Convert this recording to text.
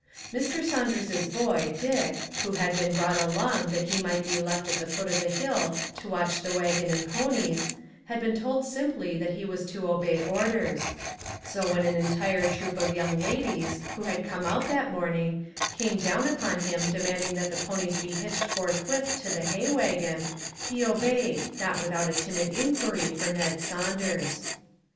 Mr. Saunders's boy, Dick, who had been brought along that he might be left at the foot of the hill to watch the wagon and ponies, had been told simply that he was to obey orders ; so 232 "IF WE ONLY HADN'T' when the entire troop of young ladies, who had come out that morning, came down upon him demanding that the ponies be hitched forth with to the hay wagon, he obeyed, not without a timid inquiry for Ned Saunders.